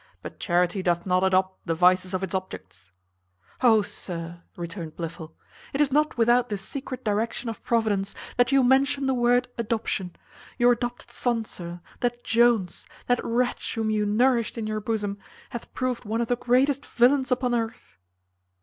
But charity doth not adopt the vices of its objects." "O, sir!" returned Blifil, "it is not without the secret direction of Providence that you mention the word adoption. Your adopted son, sir, that Jones, that wretch whom you nourished in your bosom, hath proved one of the greatest villains upon earth."